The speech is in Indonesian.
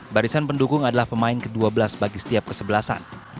barisan pendukung adalah pemain ke dua belas bagi setiap kesebelasan